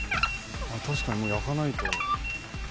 確かにもう焼かないと。